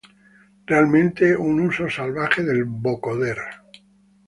Realmente un uso salvaje del vocoder".